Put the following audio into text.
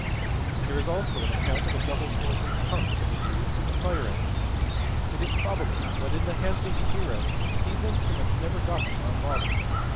There is also an account of a double forcing pump to be used as a fire engine. It is probable that in the hands of Hero these instruments never got beyond models.